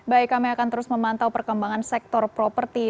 baik kami akan terus memantau perkembangan sektor properti